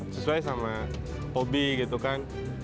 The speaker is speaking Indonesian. sesuai sama hobi gitu kan